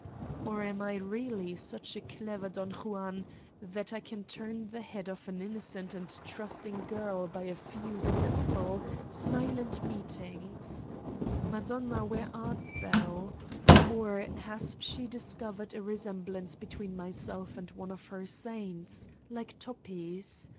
Or am I really such a clever Don Juan that I 120 Satan's Diary can turn the head of an innocent and trusting girl by a few simple, silent meetings? Madonna, where art Thou? Or, has she discovered a re semblance between myself and one of her saints, like Toppi's.